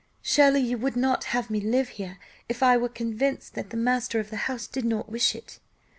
Surely you would not have me live here if I were convinced that the master of the house did not wish it?"